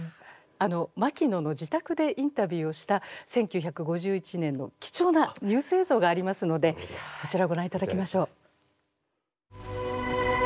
牧野の自宅でインタビューをした１９５１年の貴重なニュース映像がありますのでそちらをご覧いただきましょう。